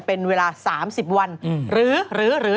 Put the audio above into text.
เป็นเวลา๓๐วันหรือหรือหรือ